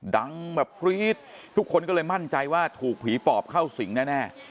ดังแบบกรี๊ดทุกคนก็เลยมั่นใจว่าถูกผีปอบเข้าสิงแน่